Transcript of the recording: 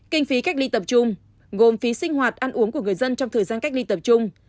kinh phí cách ly tập trung gồm phí sinh hoạt ăn uống của người dân trong thời gian cách ly tập trung